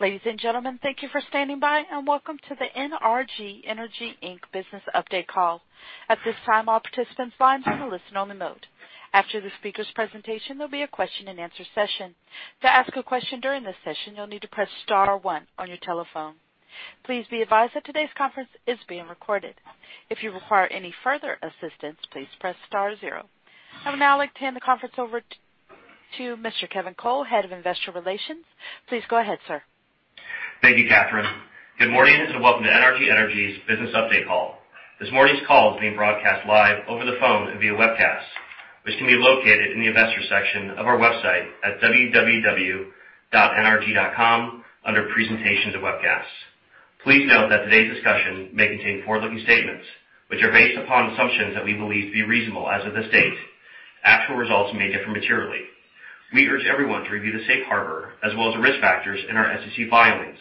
Ladies and gentlemen, thank you for standing by and welcome to the NRG Energy Inc Business Update Call. At this time, all participants' lines are in the listen-only mode. After the speaker's presentation, there'll be a question-and-answer session. To ask a question during this session, you'll need to press star one on your telephone. Please be advised that today's conference is being recorded. If you require any further assistance, please press star zero. I would now like to hand the conference over to Mr. Kevin Cole, Head of Investor Relations. Please go ahead, sir. Thank you, Katherine. Good morning and welcome to NRG Energy's Business Update Call. This morning's call is being broadcast live over the phone via webcast, which can be located in the investor section of our website at www.nrg.com under Presentations and Webcasts. Please note that today's discussion may contain forward-looking statements, which are based upon assumptions that we believe to be reasonable as of this date. Actual results may differ materially. We urge everyone to review the safe harbor as well as the risk factors in our SEC filings.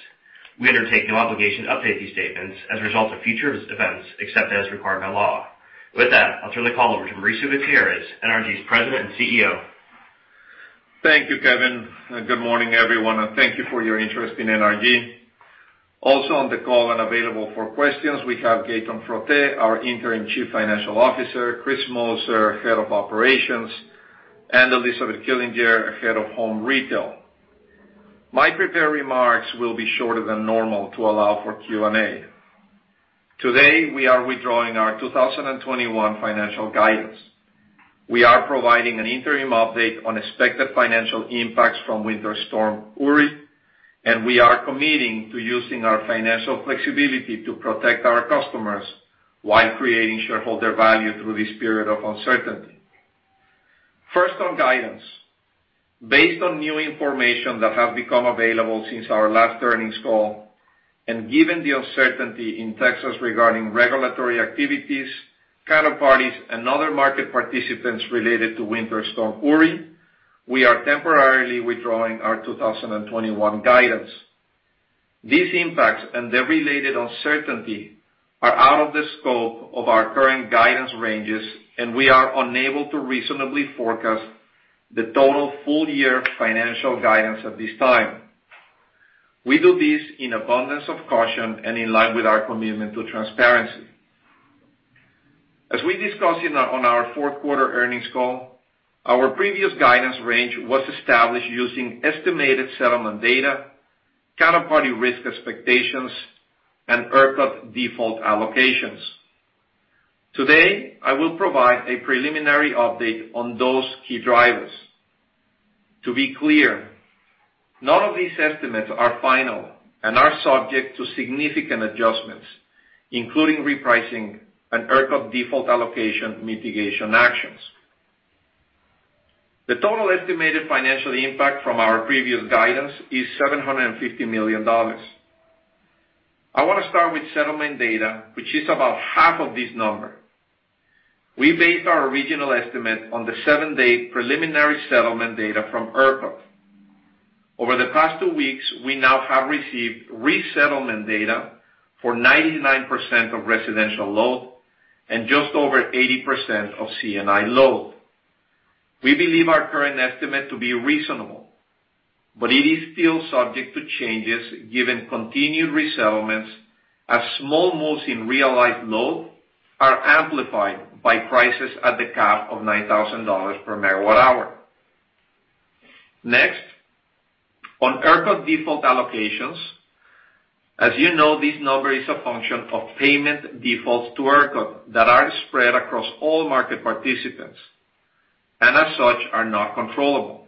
We undertake no obligation to update these statements as a result of future events except as required by law. With that, I'll turn the call over to Mauricio Gutierrez, NRG's President and CEO. Thank you, Kevin. Good morning, everyone, and thank you for your interest in NRG. Also on the call and available for questions, we have Gaetan Frotte, our Interim Chief Financial Officer, Chris Moser, Head of Operations, and Elizabeth Killinger, Head of Home Retail. My prepared remarks will be shorter than normal to allow for Q&A. Today, we are withdrawing our 2021 financial guidance. We are providing an interim update on expected financial impacts from winter storm Uri, and we are committing to using our financial flexibility to protect our customers while creating shareholder value through this period of uncertainty. First, on guidance. Based on new information that has become available since our last earnings call and given the uncertainty in Texas regarding regulatory activities, counterparties, and other market participants related to winter storm Uri, we are temporarily withdrawing our 2021 guidance. These impacts and the related uncertainty are out of the scope of our current guidance ranges, and we are unable to reasonably forecast the total full-year financial guidance at this time. We do this in abundance of caution and in line with our commitment to transparency. As we discussed on our fourth quarter earnings call, our previous guidance range was established using estimated settlement data, counterparty risk expectations, and ERCOT default allocations. Today, I will provide a preliminary update on those key drivers. To be clear, none of these estimates are final and are subject to significant adjustments, including repricing and ERCOT default allocation mitigation actions. The total estimated financial impact from our previous guidance is $750 million. I want to start with settlement data, which is about half of this number. We based our original estimate on the seven-day preliminary settlement data from ERCOT. Over the past two weeks, we now have received resettlement data for 99% of residential load and just over 80% of C&I load. We believe our current estimate to be reasonable, but it is still subject to changes given continued resettlements as small moves in real-life load are amplified by prices at the cap of $9,000 per MWh. Next, on ERCOT default allocations, as you know, this number is a function of payment defaults to ERCOT that are spread across all market participants and, as such, are not controllable.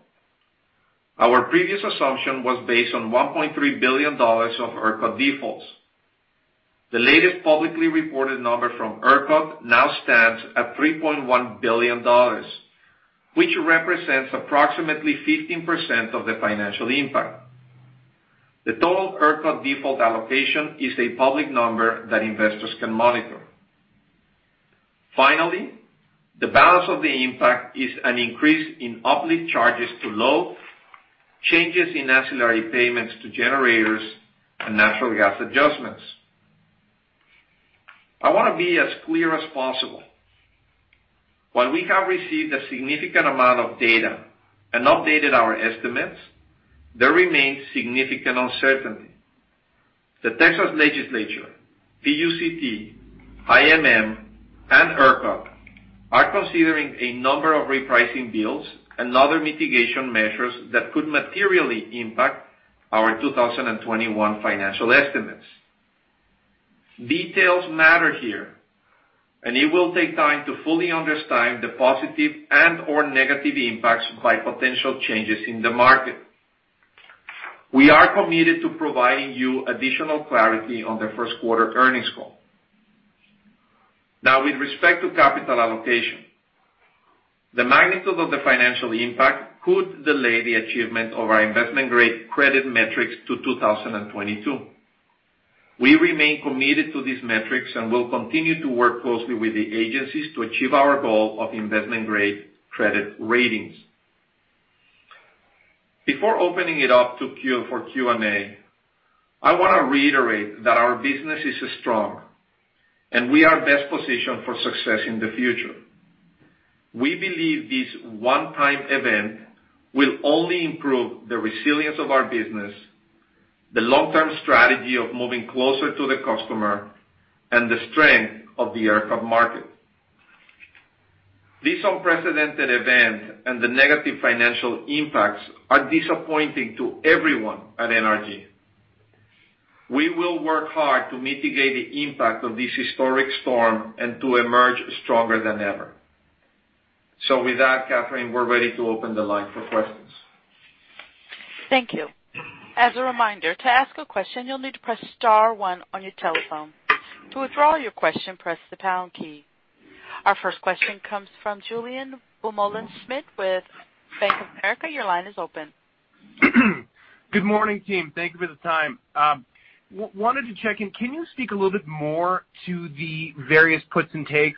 Our previous assumption was based on $1.3 billion of ERCOT defaults. The latest publicly reported number from ERCOT now stands at $3.1 billion, which represents approximately 15% of the financial impact. The total ERCOT default allocation is a public number that investors can monitor. Finally, the balance of the impact is an increase in uplift charges to load, changes in ancillary payments to generators, and natural gas adjustments. I want to be as clear as possible. While we have received a significant amount of data and updated our estimates, there remains significant uncertainty. The Texas Legislature, PUCT, IMM, and ERCOT are considering a number of repricing bills and other mitigation measures that could materially impact our 2021 financial estimates. Details matter here, and it will take time to fully understand the positive and/or negative impacts by potential changes in the market. We are committed to providing you additional clarity on the first quarter earnings call. Now, with respect to capital allocation, the magnitude of the financial impact could delay the achievement of our investment-grade credit metrics to 2022. We remain committed to these metrics and will continue to work closely with the agencies to achieve our goal of investment-grade credit ratings. Before opening it up for Q&A, I want to reiterate that our business is strong, and we are best positioned for success in the future. We believe this one-time event will only improve the resilience of our business, the long-term strategy of moving closer to the customer, and the strength of the ERCOT market. This unprecedented event and the negative financial impacts are disappointing to everyone at NRG. We will work hard to mitigate the impact of this historic storm and to emerge stronger than ever. So with that, Katherine, we're ready to open the line for questions. Thank you. As a reminder, to ask a question, you'll need to press star one on your telephone. To withdraw your question, press the pound key. Our first question comes from Julien Dumoulin-Smith with Bank of America. Your line is open. Good morning, team. Thank you for the time. Wanted to check in. Can you speak a little bit more to the various puts and takes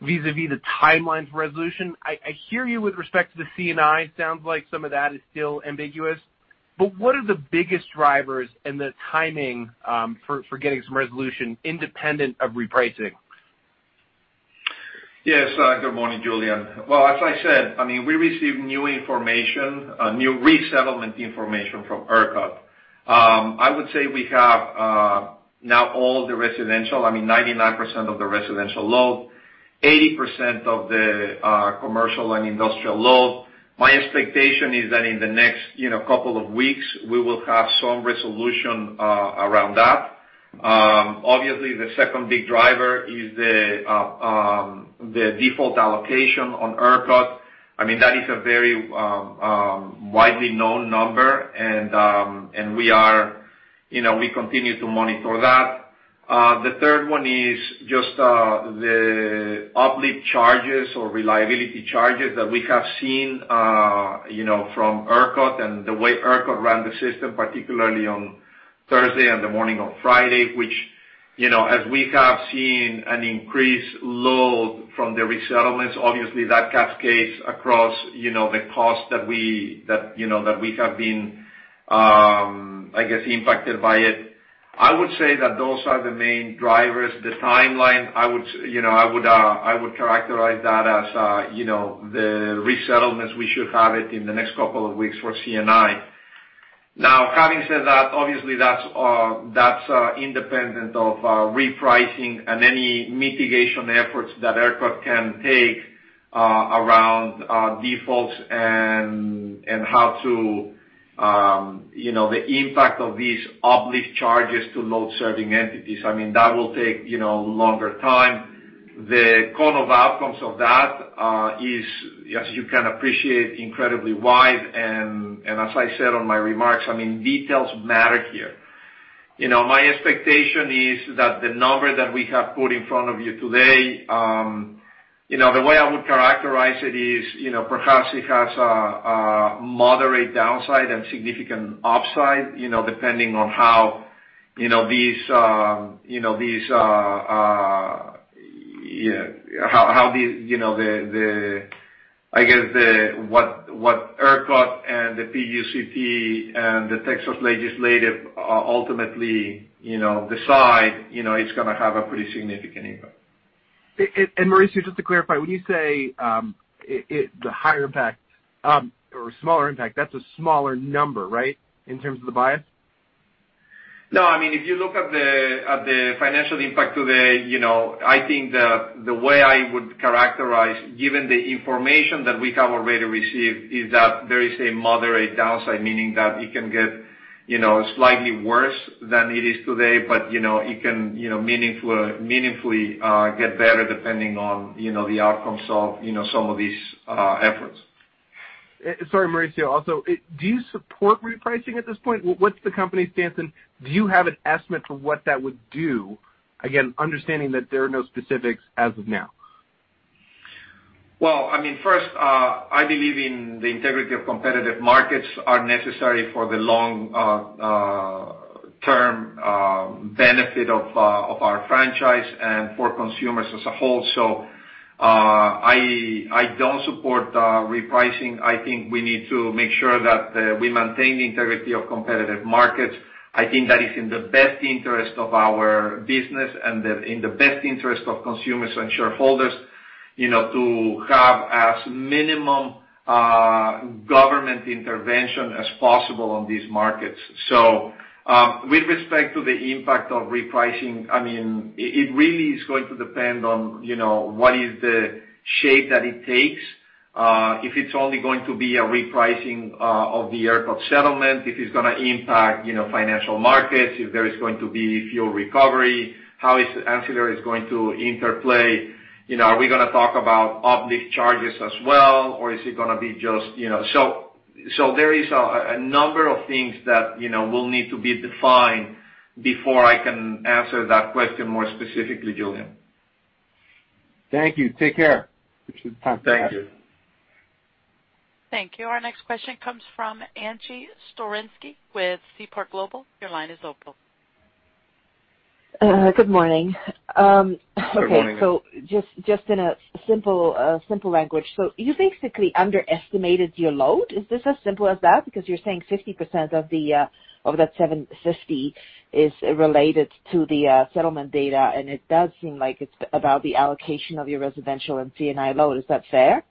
vis-à-vis the timeline for resolution? I hear you with respect to the C&I. It sounds like some of that is still ambiguous. But what are the biggest drivers and the timing for getting some resolution independent of repricing? Yes. Good morning, Julien. Well, as I said, I mean, we received new information, new resettlement information from ERCOT. I would say we have now all the residential, I mean, 99% of the residential load, 80% of the commercial and industrial load. My expectation is that in the next couple of weeks, we will have some resolution around that. Obviously, the second big driver is the default allocation on ERCOT. I mean, that is a very widely known number, and we continue to monitor that. The third one is just the uplift charges or reliability charges that we have seen from ERCOT and the way ERCOT ran the system, particularly on Thursday and the morning of Friday, which, as we have seen an increased load from the resettlements, obviously, that cascades across the cost that we have been, I guess, impacted by it. I would say that those are the main drivers. The timeline, I would characterize that as the resettlements we should have in the next couple of weeks for C&I. Now, having said that, obviously, that's independent of repricing and any mitigation efforts that ERCOT can take around defaults and how to the impact of these uplift charges to load serving entities. I mean, that will take longer time. The cone of outcomes of that is, as you can appreciate, incredibly wide, and as I said in my remarks, I mean, details matter here. My expectation is that the number that we have put in front of you today, the way I would characterize it is perhaps it has a moderate downside and significant upside depending on how these, the, I guess, what ERCOT and the PUCT and the Texas Legislature ultimately decide. It's going to have a pretty significant impact. Mauricio, just to clarify, when you say the higher impact or smaller impact, that's a smaller number, right, in terms of the bias? No. I mean, if you look at the financial impact today, I think the way I would characterize, given the information that we have already received, is that there is a moderate downside, meaning that it can get slightly worse than it is today, but it can meaningfully get better depending on the outcomes of some of these efforts. Sorry, Mauricio. Also, do you support repricing at this point? What's the company's stance? And do you have an estimate for what that would do? Again, understanding that there are no specifics as of now. I mean, first, I believe in the integrity of competitive markets are necessary for the long-term benefit of our franchise and for consumers as a whole. So I don't support repricing. I think we need to make sure that we maintain the integrity of competitive markets. I think that is in the best interest of our business and in the best interest of consumers and shareholders to have as minimum government intervention as possible on these markets. So with respect to the impact of repricing, I mean, it really is going to depend on what is the shape that it takes. If it's only going to be a repricing of the ERCOT settlement, if it's going to impact financial markets, if there is going to be fuel recovery, how is the ancillary going to interplay? Are we going to talk about uplift charges as well, or is it going to be just so? There is a number of things that will need to be defined before I can answer that question more specifically, Julien. Thank you. Take care. Thank you. Thank you. Our next question comes from Angie Storozynski with Seaport Global Securities. Your line is open. Good morning. Good morning. Okay. So just in a simple language, so you basically underestimated your load. Is this as simple as that? Because you're saying 50% of that 750 is related to the settlement data, and it does seem like it's about the allocation of your residential and C&I load. Is that fair?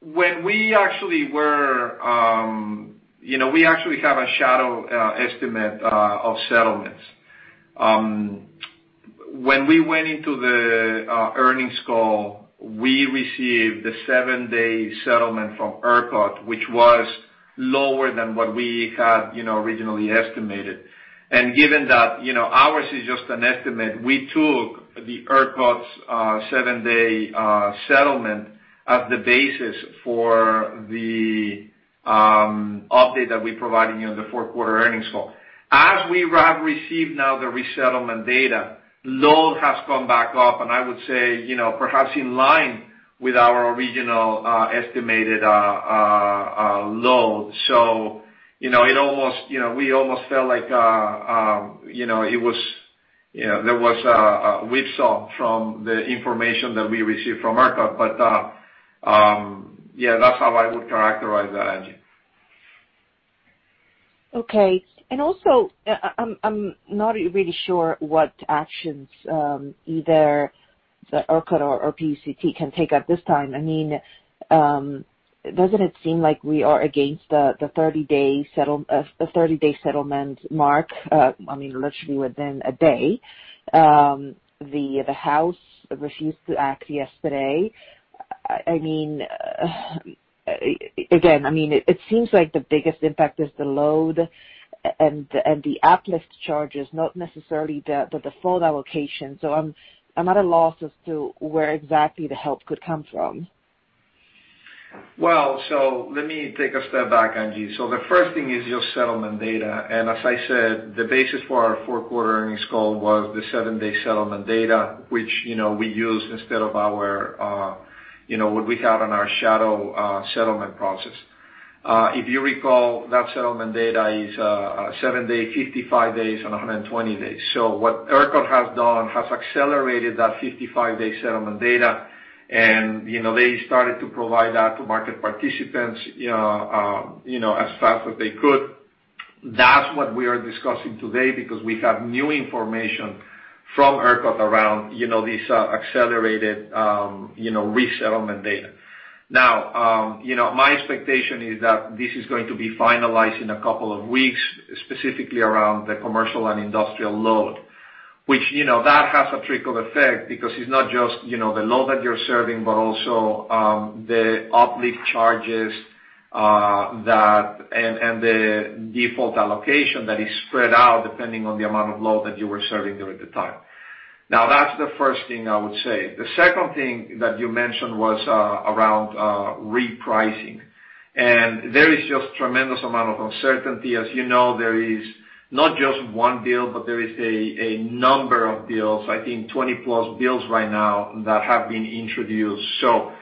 When we actually have a shadow estimate of settlements. When we went into the earnings call, we received the seven-day settlement from ERCOT, which was lower than what we had originally estimated. Given that ours is just an estimate, we took ERCOT's seven-day settlement as the basis for the update that we provided you on the fourth-quarter earnings call. As we have received now the resettlement data, load has come back up, and I would say perhaps in line with our original estimated load. It almost felt like there was a whipsaw from the information that we received from ERCOT. Yeah, that's how I would characterize that, Angie. Okay. And also, I'm not really sure what actions either ERCOT or PUCT can take at this time. I mean, doesn't it seem like we are against the 30-day settlement mark? I mean, literally within a day. The house refused to act yesterday. I mean, again, I mean, it seems like the biggest impact is the load and the uplift charges, not necessarily the default allocation. So I'm at a loss as to where exactly the help could come from. Let me take a step back, Angie. The first thing is your settlement data. As I said, the basis for our fourth quarter earnings call was the seven-day settlement data, which we used instead of our what we had on our shadow settlement process. If you recall, that settlement data is a seven-day, 55 days, and 120 days. What ERCOT has done has accelerated that 55-day settlement data, and they started to provide that to market participants as fast as they could. That's what we are discussing today because we have new information from ERCOT around this accelerated resettlement data. Now, my expectation is that this is going to be finalized in a couple of weeks, specifically around the commercial and industrial load, which has a trickle effect because it's not just the load that you're serving, but also the uplift charges and the default allocation that is spread out depending on the amount of load that you were serving during the time. Now, that's the first thing I would say. The second thing that you mentioned was around repricing, and there is just a tremendous amount of uncertainty. As you know, there is not just one deal, but there is a number of deals, I think 20+ deals right now that have been introduced. So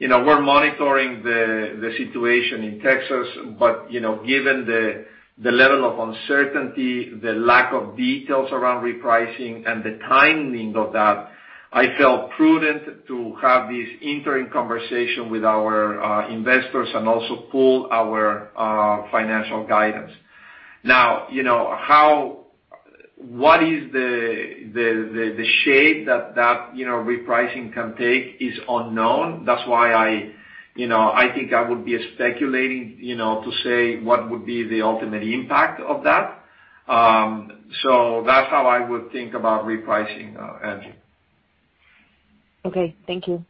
we're monitoring the situation in Texas, but given the level of uncertainty, the lack of details around repricing, and the timing of that, I felt prudent to have this interim conversation with our investors and also pull our financial guidance. Now, what is the shape that that repricing can take is unknown. That's why I think I would be speculating to say what would be the ultimate impact of that. So that's how I would think about repricing, Angie. Okay. Thank you.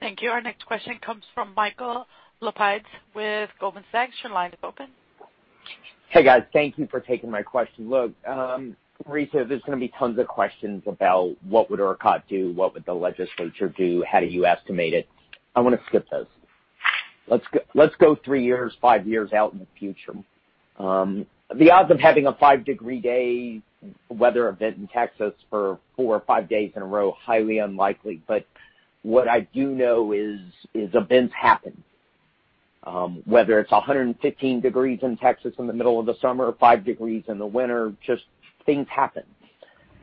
Thank you. Our next question comes from Michael Lapides with Goldman Sachs. Your line is open. Hey, guys. Thank you for taking my question. Look, Mauricio, there's going to be tons of questions about what would ERCOT do, what would the legislature do, how do you estimate it. I want to skip those. Let's go three years, five years out in the future. The odds of having a five-degree day weather event in Texas for four or five days in a row, highly unlikely. But what I do know is events happen, whether it's 115 degrees in Texas in the middle of the summer or 5 degrees in the winter. Just things happen.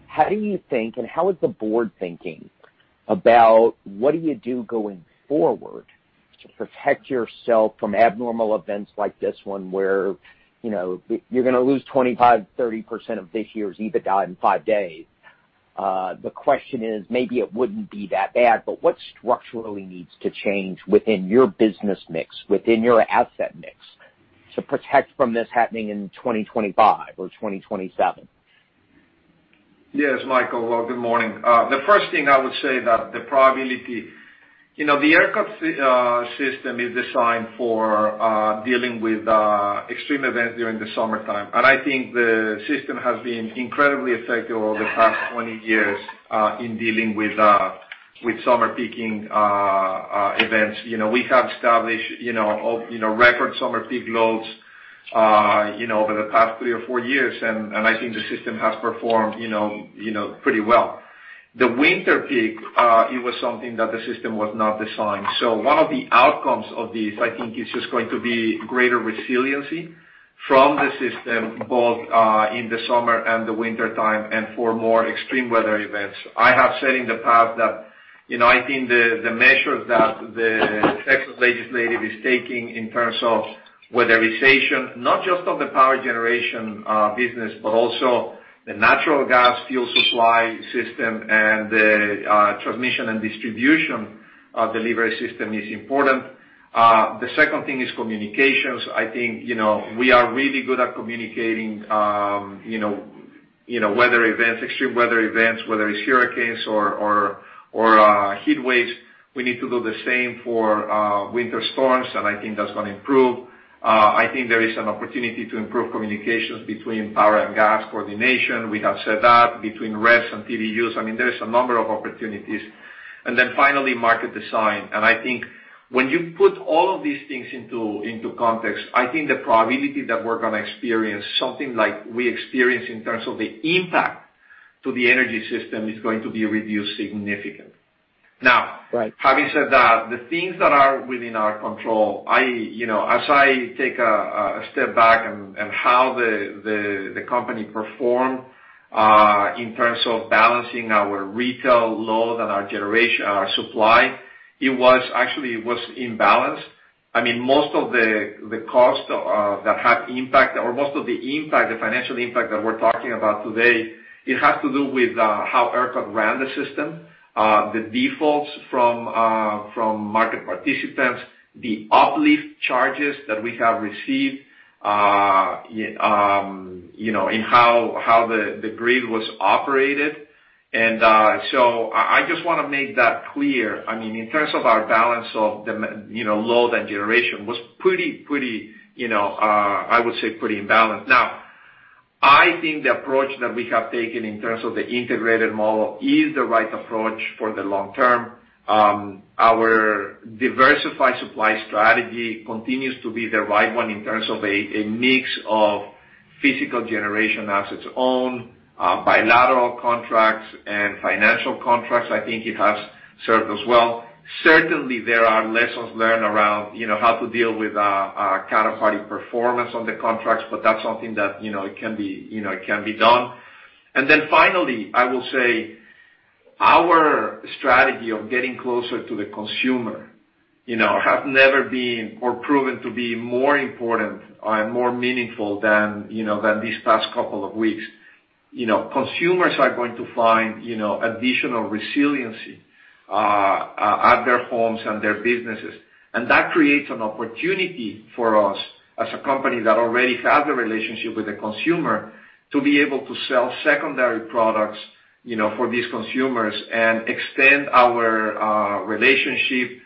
How do you think, and how is the board thinking about what do you do going forward to protect yourself from abnormal events like this one where you're going to lose 25%-30% of this year's EBITDA in five days? The question is, maybe it wouldn't be that bad, but what structurally needs to change within your business mix, within your asset mix to protect from this happening in 2025 or 2027? Yes, Michael. Well, good morning. The first thing I would say is that the ERCOT system is designed for dealing with extreme events during the summertime, and I think the system has been incredibly effective over the past 20 years in dealing with summer peaking events. We have established record summer peak loads over the past three or four years, and I think the system has performed pretty well. The winter peak, it was something that the system was not designed for, so one of the outcomes of these, I think, is just going to be greater resiliency from the system, both in the summer and the wintertime, and for more extreme weather events. I have said in the past that I think the measures that the Texas Legislature is taking in terms of weatherization, not just on the power generation business, but also the natural gas fuel supply system and the transmission and distribution delivery system is important. The second thing is communications. I think we are really good at communicating weather events, extreme weather events, whether it's hurricanes or heat waves. We need to do the same for winter storms, and I think that's going to improve. I think there is an opportunity to improve communications between power and gas coordination. We have said that between REPs and TDUs. I mean, there's a number of opportunities. And then finally, market design. I think when you put all of these things into context, I think the probability that we're going to experience something like we experience in terms of the impact to the energy system is going to be reduced significantly. Now, having said that, the things that are within our control, as I take a step back and how the company performed in terms of balancing our retail load and our supply, it was actually imbalanced. I mean, most of the cost that had impact or most of the impact, the financial impact that we're talking about today, it has to do with how ERCOT ran the system, the defaults from market participants, the uplift charges that we have received, and how the grid was operated. So I just want to make that clear. I mean, in terms of our balance of the load and generation, it was pretty, I would say, pretty imbalanced. Now, I think the approach that we have taken in terms of the integrated model is the right approach for the long term. Our diversified supply strategy continues to be the right one in terms of a mix of physical generation assets owned, bilateral contracts, and financial contracts. I think it has served us well. Certainly, there are lessons learned around how to deal with counterparty performance on the contracts, but that's something that can be done, and then finally, I will say our strategy of getting closer to the consumer has never been or proven to be more important and more meaningful than these past couple of weeks. Consumers are going to find additional resiliency at their homes and their businesses. And that creates an opportunity for us as a company that already has a relationship with the consumer to be able to sell secondary products for these consumers and extend our relationship,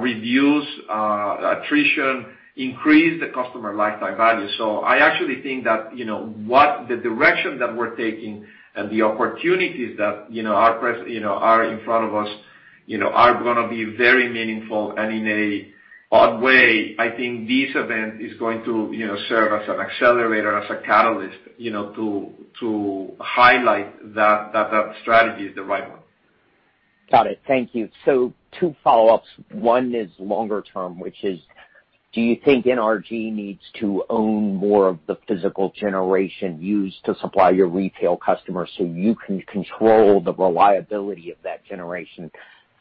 reduce attrition, increase the customer lifetime value. So I actually think that the direction that we're taking and the opportunities that are in front of us are going to be very meaningful. And in an odd way, I think this event is going to serve as an accelerator, as a catalyst to highlight that that strategy is the right one. Got it. Thank you. So two follow-ups. One is longer term, which is, do you think NRG needs to own more of the physical generation used to supply your retail customers so you can control the reliability of that generation?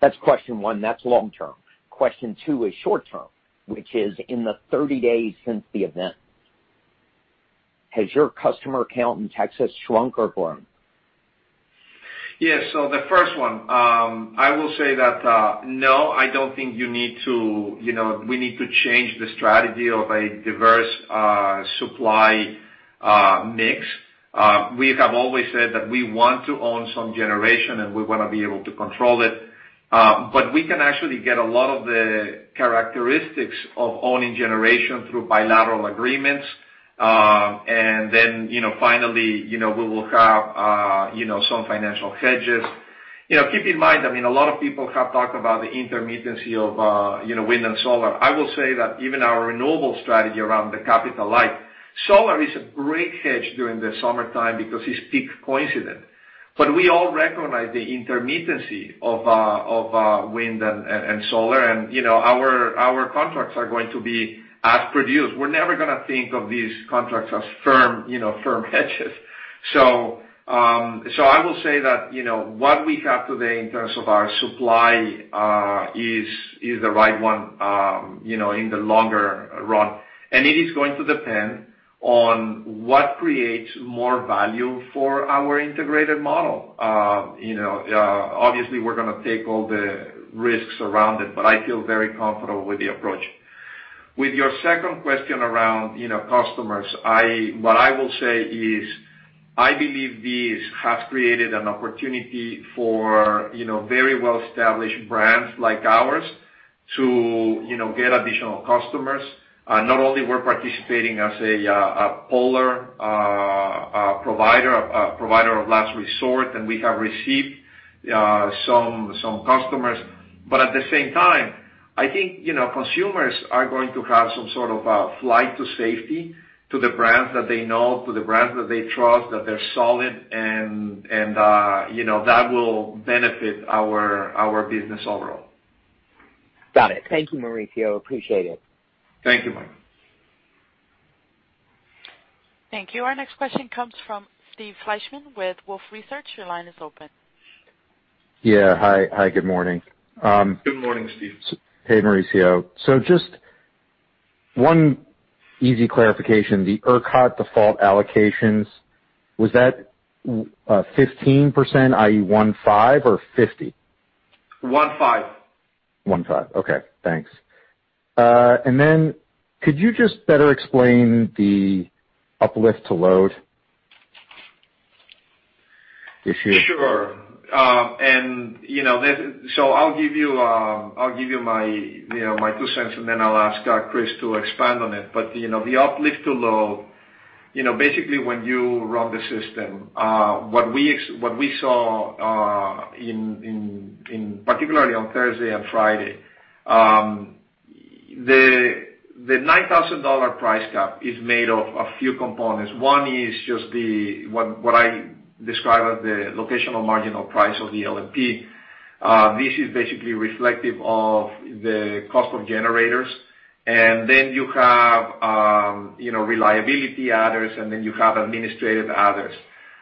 That's question one. That's long term. Question two is short term, which is in the 30 days since the event, has your customer count in Texas shrunk or grown? Yes. So the first one, I will say that no, I don't think we need to change the strategy of a diverse supply mix. We have always said that we want to own some generation, and we want to be able to control it. But we can actually get a lot of the characteristics of owning generation through bilateral agreements. And then finally, we will have some financial hedges. Keep in mind, I mean, a lot of people have talked about the intermittency of wind and solar. I will say that even our renewable strategy around the capital light, solar is a great hedge during the summertime because it's peak coincident. But we all recognize the intermittency of wind and solar, and our contracts are going to be as produced. We're never going to think of these contracts as firm hedges. So I will say that what we have today in terms of our supply is the right one in the longer run. And it is going to depend on what creates more value for our integrated model. Obviously, we're going to take all the risks around it, but I feel very comfortable with the approach. With your second question around customers, what I will say is I believe these have created an opportunity for very well-established brands like ours to get additional customers. Not only we're participating as a POLR provider, a provider of last resort, and we have received some customers. But at the same time, I think consumers are going to have some sort of flight to safety to the brands that they know, to the brands that they trust, that they're solid, and that will benefit our business overall. Got it. Thank you, Mauricio. Appreciate it. Thank you, Mike. Thank you. Our next question comes from Steve Fleishman with Wolfe Research. Your line is open. Yeah. Hi. Hi. Good morning. Good morning, Steve. Hey, Mauricio. So just one easy clarification. The ERCOT default allocations, was that 15%, i.e., 15%, or 50%? 15%. 15%. Okay. Thanks. And then could you just better explain the uplift-to-load issue? Sure. And so I'll give you my two cents, and then I'll ask Chris to expand on it. But the uplift to load, basically, when you run the system, what we saw particularly on Thursday and Friday, the $9,000 price cap is made of a few components. One is just what I describe as the locational marginal price of the LMP. This is basically reflective of the cost of generators. And then you have reliability adders, and then you have administrative adders.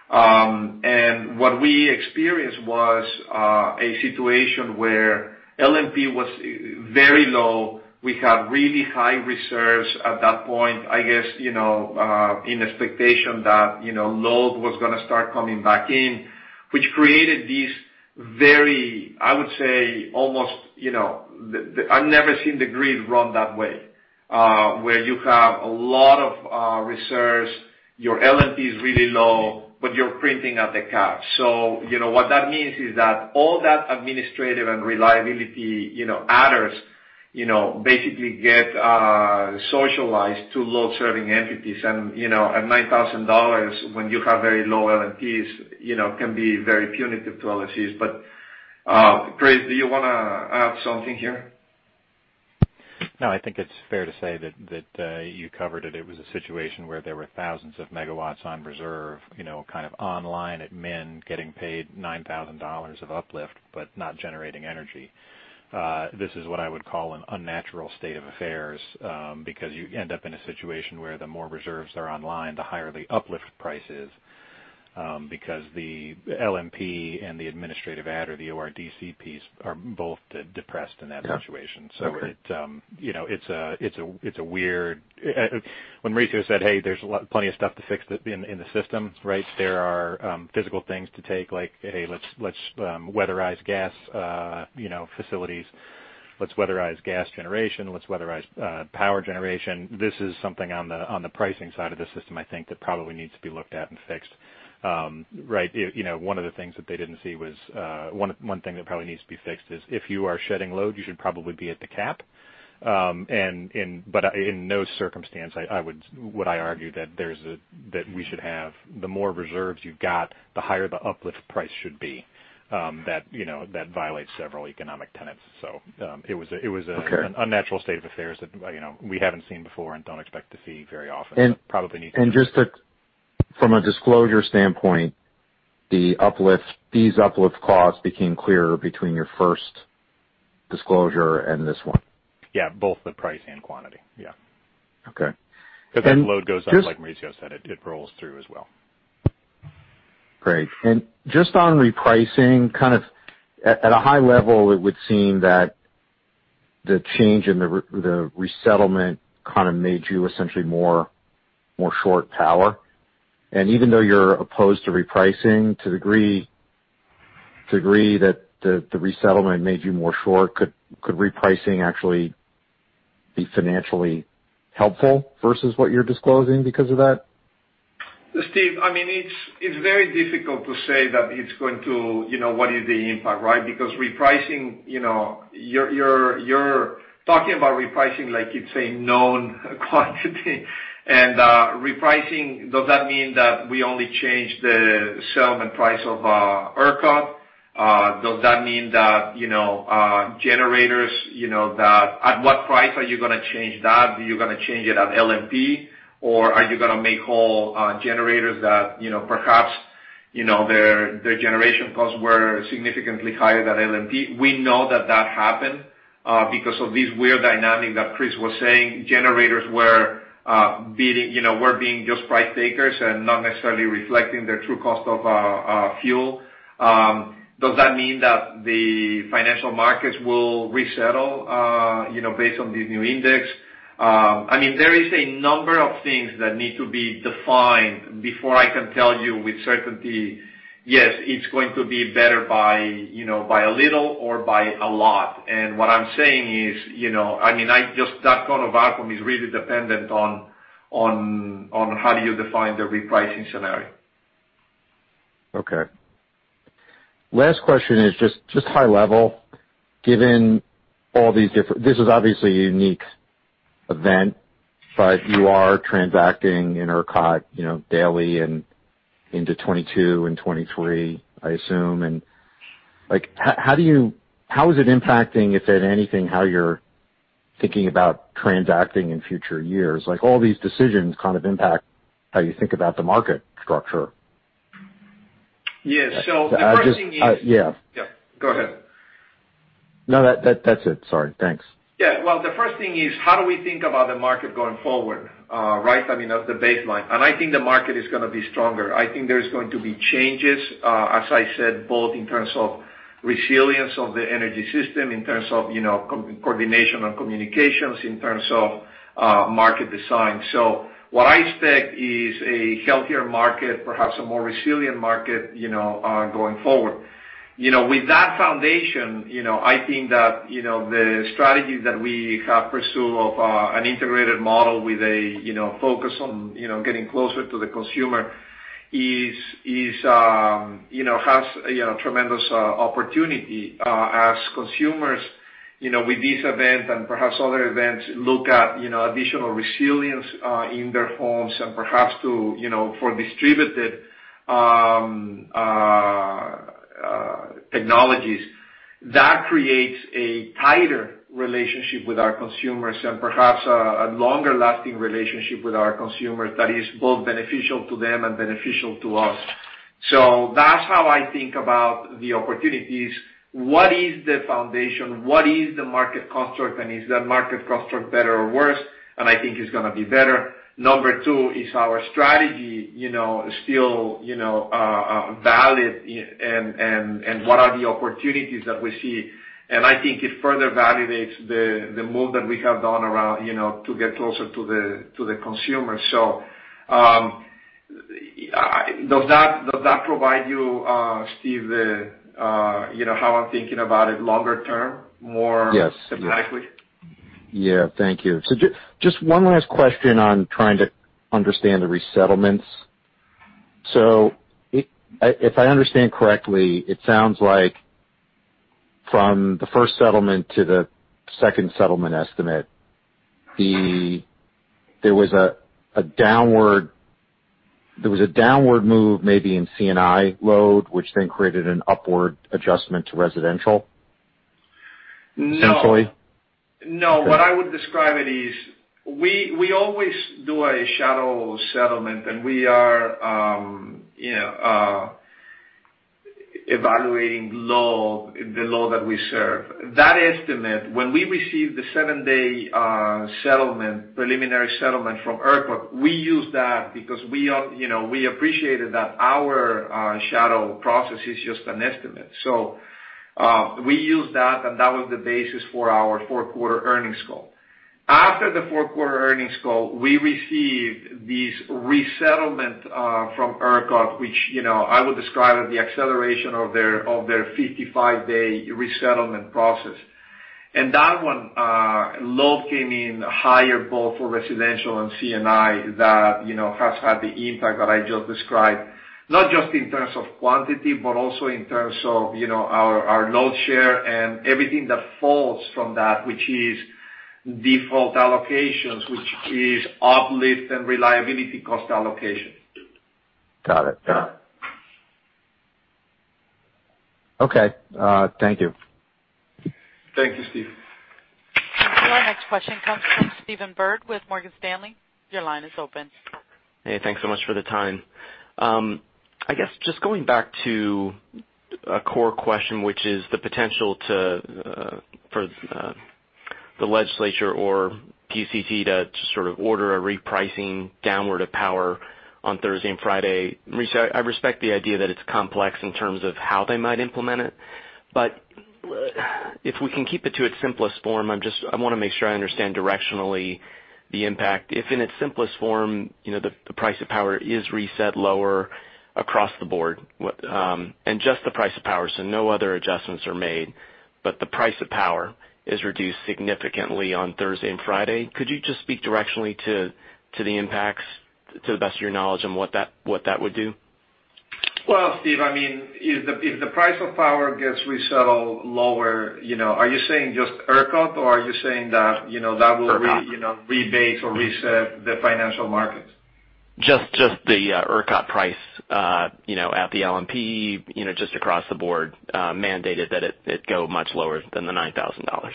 And what we experienced was a situation where LMP was very low. We had really high reserves at that point, I guess, in expectation that load was going to start coming back in, which created these very, I would say, almost. I've never seen the grid run that way, where you have a lot of reserves, your LMP is really low, but you're printing at the cap. So what that means is that all that administrative and reliability adders basically get socialized to load serving entities. And at $9,000, when you have very low LMPs, it can be very punitive to LMPs. But Chris, do you want to add something here? No, I think it's fair to say that you covered it. It was a situation where there were thousands of megawatts on reserve, kind of online at min, getting paid $9,000 of uplift, but not generating energy. This is what I would call an unnatural state of affairs because you end up in a situation where the more reserves are online, the higher the uplift price is because the LMP and the administrative adder, the ORDC piece, are both depressed in that situation. So it's weird when Mauricio said, "Hey, there's plenty of stuff to fix in the system," right? There are physical things to take like, "Hey, let's weatherize gas facilities. Let's weatherize gas generation. Let's weatherize power generation." This is something on the pricing side of the system, I think, that probably needs to be looked at and fixed, right? One of the things that they didn't see was one thing that probably needs to be fixed is if you are shedding load, you should probably be at the cap. But in no circumstance would I argue that we should have the more reserves you've got, the higher the uplift price should be. That violates several economic tenets. So it was an unnatural state of affairs that we haven't seen before and don't expect to see very often. Probably need to. Just from a disclosure standpoint, these uplift costs became clearer between your first disclosure and this one? Yeah. Both the price and quantity. Yeah. Okay. Because that load goes up, like Mauricio said. It rolls through as well. Great. And just on repricing, kind of at a high level, it would seem that the change in the resettlement kind of made you essentially more short power. And even though you're opposed to repricing to the degree that the resettlement made you more short, could repricing actually be financially helpful versus what you're disclosing because of that? Steve, I mean, it's very difficult to say that it's going to what is the impact, right? Because repricing, you're talking about repricing like it's a known quantity, and repricing, does that mean that we only change the selling price of ERCOT? Does that mean that generators, at what price are you going to change that? Are you going to change it at LMP, or are you going to make whole generators that perhaps their generation costs were significantly higher than LMP? We know that that happened because of this weird dynamic that Chris was saying. Generators were being just price takers and not necessarily reflecting their true cost of fuel. Does that mean that the financial markets will resettle based on this new index? I mean, there is a number of things that need to be defined before I can tell you with certainty, yes, it's going to be better by a little or by a lot, and what I'm saying is, I mean, that kind of outcome is really dependent on how do you define the repricing scenario. Okay. Last question is just high level. Given all these different, this is obviously a unique event, but you are transacting in ERCOT daily and into 2022 and 2023, I assume. And how is it impacting, if anything, how you're thinking about transacting in future years? All these decisions kind of impact how you think about the market structure. Yeah, so the first thing is yeah. Go ahead. No, that's it. Sorry. Thanks. Yeah, well, the first thing is how do we think about the market going forward, right? I mean, that's the baseline, and I think the market is going to be stronger. I think there's going to be changes, as I said, both in terms of resilience of the energy system, in terms of coordination and communications, in terms of market design, so what I expect is a healthier market, perhaps a more resilient market going forward. With that foundation, I think that the strategy that we have pursued of an integrated model with a focus on getting closer to the consumer has a tremendous opportunity as consumers, with this event and perhaps other events, look at additional resilience in their homes and perhaps for distributed technologies. That creates a tighter relationship with our consumers and perhaps a longer-lasting relationship with our consumers that is both beneficial to them and beneficial to us, so that's how I think about the opportunities. What is the foundation? What is the market construct, and is that market construct better or worse, and I think it's going to be better. Number two is our strategy still valid and what are the opportunities that we see, and I think it further validates the move that we have done around to get closer to the consumers, so does that provide you, Steve, how I'm thinking about it longer term, more systematically? Yes. Yeah. Thank you. So just one last question on trying to understand the resettlements. So if I understand correctly, it sounds like from the first settlement to the second settlement estimate, there was a downward move maybe in C&I load, which then created an upward adjustment to residential centrally. No. What I would describe it is we always do a shadow settlement, and we are evaluating the load that we serve. That estimate, when we received the seven-day preliminary settlement from ERCOT, we used that because we appreciated that our shadow process is just an estimate, so we used that, and that was the basis for our four-quarter earnings call. After the four-quarter earnings call, we received these resettlements from ERCOT, which I would describe as the acceleration of their 55-day resettlement process, and that one, load came in higher both for residential and C&I that has had the impact that I just described, not just in terms of quantity, but also in terms of our load share and everything that falls from that, which is default allocations, which is uplift and reliability cost allocation. Got it. Okay. Thank you. Thank you, Steve. Our next question comes from Stephen Byrd with Morgan Stanley. Your line is open. Hey, thanks so much for the time. I guess just going back to a core question, which is the potential for the legislature or PUCT to sort of order a repricing downward of power on Thursday and Friday. Mauricio, I respect the idea that it's complex in terms of how they might implement it. But if we can keep it to its simplest form, I want to make sure I understand directionally the impact. If in its simplest form, the price of power is reset lower across the board and just the price of power, so no other adjustments are made, but the price of power is reduced significantly on Thursday and Friday, could you just speak directionally to the impacts to the best of your knowledge on what that would do? Steve, I mean, if the price of power gets resettled lower, are you saying just ERCOT, or are you saying that that will rebate or reset the financial markets? Just the ERCOT price at the LMP, just across the board, mandated that it go much lower than the $9,000.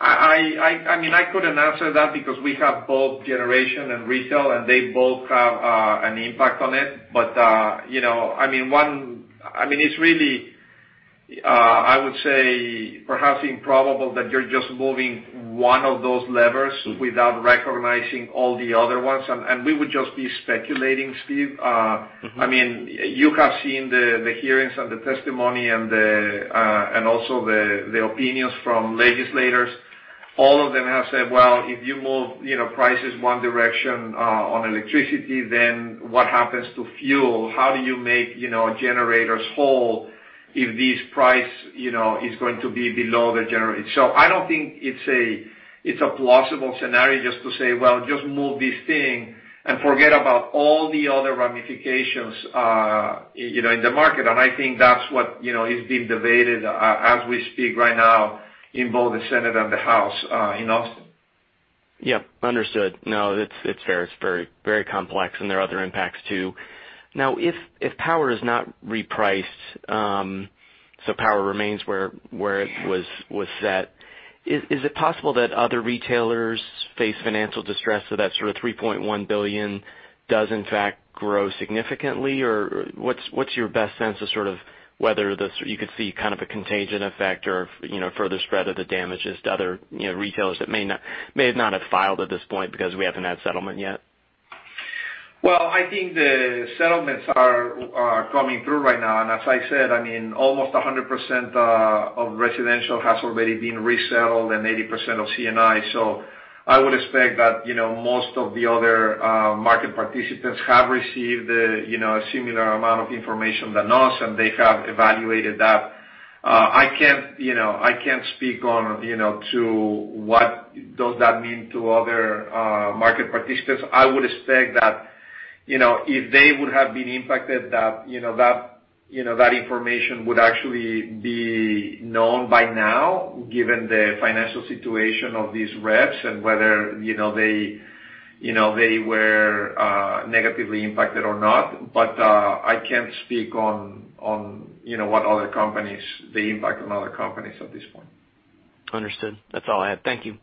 I mean, I couldn't answer that because we have both generation and retail, and they both have an impact on it. But I mean, it's really, I would say, perhaps improbable that you're just moving one of those levers without recognizing all the other ones. And we would just be speculating, Steve. I mean, you have seen the hearings and the testimony and also the opinions from legislators. All of them have said, "Well, if you move prices one direction on electricity, then what happens to fuel? How do you make generators whole if this price is going to be below the generator?" So I don't think it's a plausible scenario just to say, "Well, just move this thing and forget about all the other ramifications in the market." And I think that's what is being debated as we speak right now in both the Senate and the House in Austin. Yep. Understood. No, it's fair. It's very complex, and there are other impacts too. Now, if power is not repriced, so power remains where it was set, is it possible that other retailers face financial distress so that sort of $3.1 billion does, in fact, grow significantly? Or what's your best sense of sort of whether you could see kind of a contagion effect or further spread of the damages to other retailers that may not have filed at this point because we haven't had settlement yet? I think the settlements are coming through right now. As I said, I mean, almost 100% of residential has already been resettled and 80% of C&I. I would expect that most of the other market participants have received a similar amount of information than us, and they have evaluated that. I can't speak on to what does that mean to other market participants. I would expect that if they would have been impacted, that information would actually be known by now, given the financial situation of these reps and whether they were negatively impacted or not. I can't speak on what other companies the impact on other companies at this point. Understood. That's all I had. Thank you.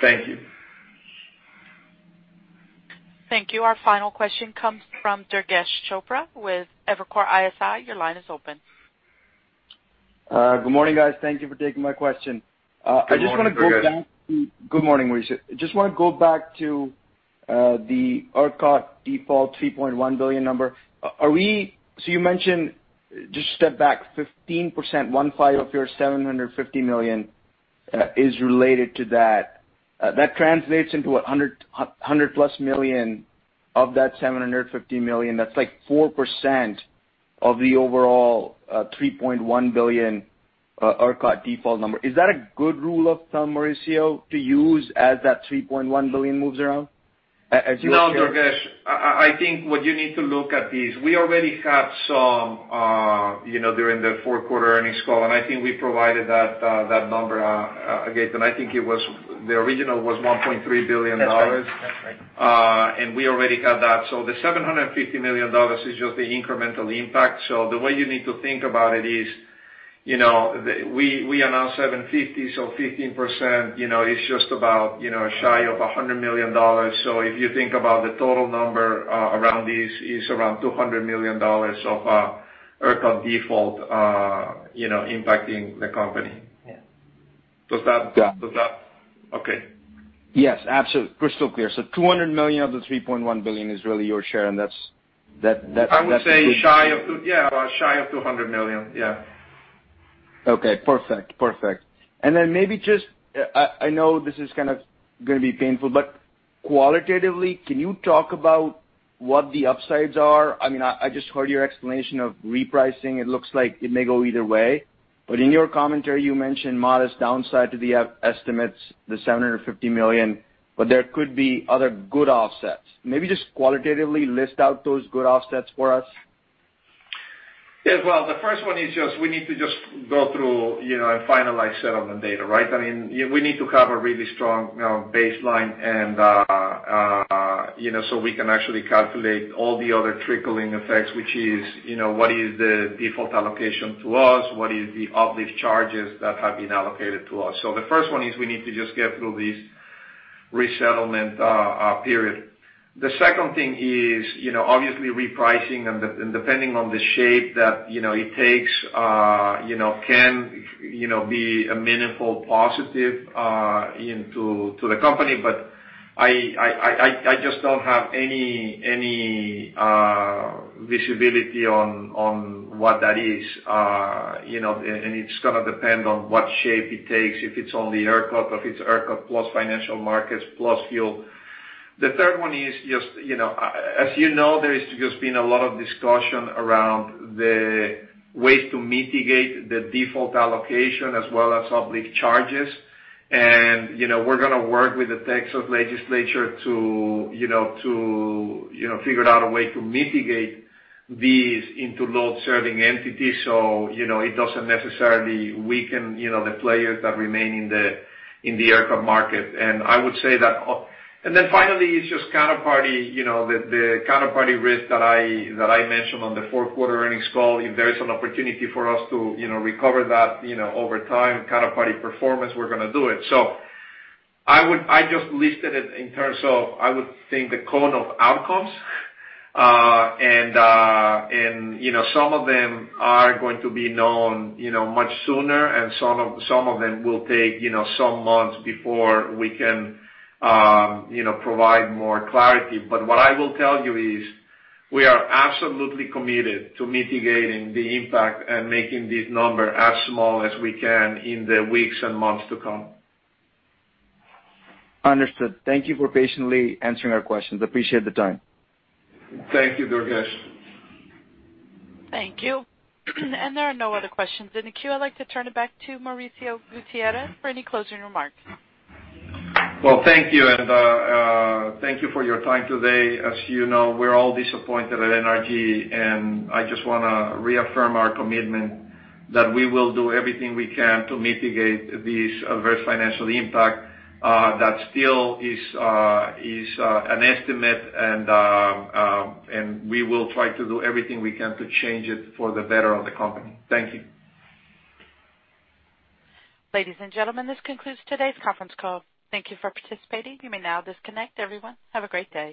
Thank you. Thank you. Our final question comes from Durgesh Chopra with Evercore ISI. Your line is open. Good morning, guys. Thank you for taking my question. I just want to go back to. Good morning. Good morning, Mauricio. Just want to go back to the ERCOT default $3.1 billion number. So you mentioned just step back 15%, one fifth of your $750 million is related to that. That translates into $100+ million of that $750 million. That's like 4% of the overall $3.1 billion ERCOT default number. Is that a good rule of thumb, Mauricio, to use as that $3.1 billion moves around? No, Durgesh, I think what you need to look at is we already had some during the fourth quarter earnings call, and I think we provided that number again. And I think the original was $1.3 billion. And we already had that. So the $750 million is just the incremental impact. So the way you need to look at it is we announced 750, so 15% is just about shy of $100 million. So if you think about the total number around this, it's around $200 million of ERCOT default impacting the company. Does that? Yeah. Okay. Yes. Absolutely. Crystal clear. So $200 million of the $3.1 billion is really your share, and that's the. I would say shy of, yeah, shy of $200 million. Yeah. Okay. Perfect. Perfect. And then maybe just I know this is kind of going to be painful, but qualitatively, can you talk about what the upsides are? I mean, I just heard your explanation of repricing. It looks like it may go either way. But in your commentary, you mentioned modest downside to the estimates, the $750 million, but there could be other good offsets. Maybe just qualitatively list out those good offsets for us. Yeah. Well, the first one is just we need to just go through and finalize settlement data, right? I mean, we need to have a really strong baseline so we can actually calculate all the other trickling effects, which is what is the default allocation to us, what is the uplift charges that have been allocated to us. So the first one is we need to just get through this resettlement period. The second thing is obviously repricing, and depending on the shape that it takes can be a meaningful positive to the company. But I just don't have any visibility on what that is. And it's going to depend on what shape it takes, if it's only ERCOT, or if it's ERCOT plus financial markets plus fuel. The third one is just, as you know, there has just been a lot of discussion around the ways to mitigate the default allocation as well as uplift charges. We're going to work with the Texas Legislature to figure out a way to mitigate these into load serving entities so it doesn't necessarily weaken the players that remain in the ERCOT market. I would say that and then finally, it's just counterparty risk that I mentioned on the fourth quarter earnings call. If there is an opportunity for us to recover that over time, counterparty performance, we're going to do it. I just listed it in terms of I would think the cone of outcomes. Some of them are going to be known much sooner, and some of them will take some months before we can provide more clarity. but what I will tell you is we are absolutely committed to mitigating the impact and making this number as small as we can in the weeks and months to come. Understood. Thank you for patiently answering our questions. Appreciate the time. Thank you, Durgesh. Thank you. And there are no other questions in the queue. I'd like to turn it back to Mauricio Gutierrez for any closing remarks. Thank you and thank you for your time today. As you know, we're all disappointed at NRG, and I just want to reaffirm our commitment that we will do everything we can to mitigate this adverse financial impact that still is an estimate, and we will try to do everything we can to change it for the better of the company. Thank you. Ladies and gentlemen, this concludes today's conference call. Thank you for participating. You may now disconnect. Everyone, have a great day.